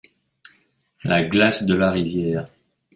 La glace de la rivière !